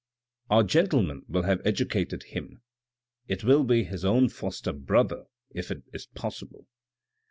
Our gentleman will have educated him, it will be his own foster brother if it is possible.